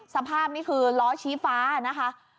สภาพนี่คือล้อชี้ฟ้านะคะ